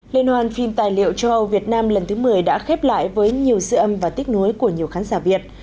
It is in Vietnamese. liên hoan phim tài liệu châu âu việt nam lần thứ một mươi đã khép lại với nhiều sự âm và tích nối của nhiều khán giả việt